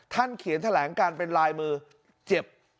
เขียนแถลงการเป็นลายมือเจ็บ